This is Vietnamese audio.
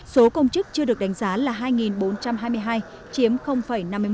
số công chức chưa được đánh giá là hai bốn trăm hai mươi hai chiếm năm mươi một